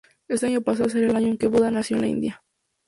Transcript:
Este año pasó a ser el año en que Buda nació en la India.